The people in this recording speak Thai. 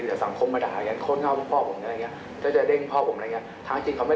ถ้าผมมีเจตนาเข้าจริงผมฆ่าเขาแต่รอบสองที่เขาตามเลยแล้วจริงมาบีด